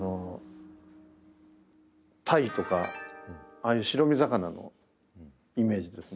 ああいう白身魚のイメージですね。